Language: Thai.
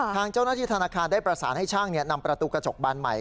ทางเจ้าหน้าที่ธนาคารได้ประสานให้ช่างนำประตูกระจกบานใหม่